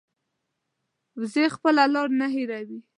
وزې خپله لار نه هېروي